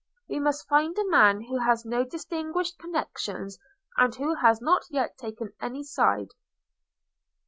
We must find a man who has no distinguished connections, and who has not yet taken any side."